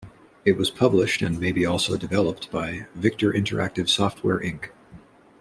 It was published and maybe also developed by "Victor Interactive Software Inc.".